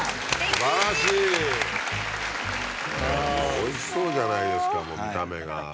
おいしそうじゃないですかもう見た目が。